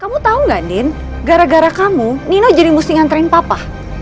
kamu tau gak andin gara gara kamu nino jadi musim ngantrin papa